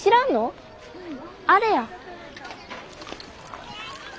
あれや。